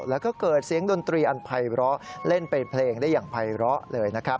แล้วก็เกิดเสียงดนตรีอันภัยร้อเล่นเป็นเพลงได้อย่างภัยร้อเลยนะครับ